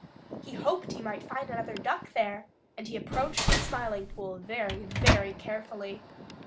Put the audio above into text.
He hoped he might find another Duck there, and he approached the Smiling Pool very, very carefully.